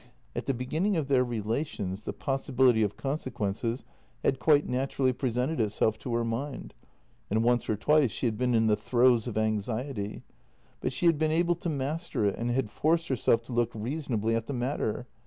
At the beginning of their relations the possibility of con sequences had quite naturally presented itself to her mind, and once or twice she had been in the throes of anxiety, but she had been able to master it and had forced herself to look reasonably at the matter.